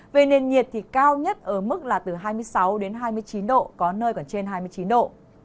về nền nhiệt cao nhất ở mức là từ hai mươi sáu đến hai mươi chín độ có nơi còn trên hai mươi chín độ